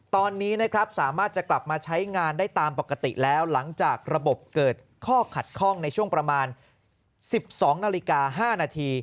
ตอนนี้นะครับสามารถจะกลับมาใช้งานได้ตามปกติแล้วหลังจากระบบเกิดข้อขัดข้องในช่วงประมาณ๑๒นาฬิกา๕นาที